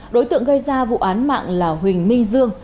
đối tượng gây ra vụ án mạng là huỳnh minh dương